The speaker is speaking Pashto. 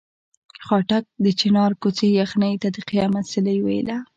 خاټک د چنار کوڅې یخنۍ ته د قیامت سیلۍ ویله.